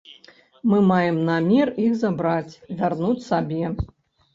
Мы маем намер іх забраць, вярнуць сабе.